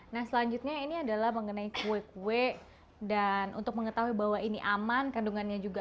nah selanjutnya ini adalah mengenai kue kue dan untuk mengetahui bahwa ini aman kandungannya juga